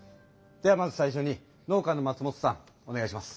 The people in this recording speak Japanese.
ではまず最初に農家の松本さんお願いします。